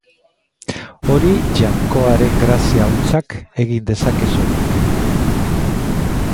Hori Jainkoaren grazia hutsak egin dezake soilik.